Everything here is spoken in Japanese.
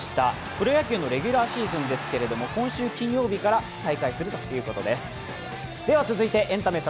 プロ野球のレギュラーシーズンですけれども、今週金曜日から再開するということです。